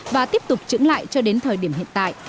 và tiếp tục trứng lại cho đến thời điểm hiện tại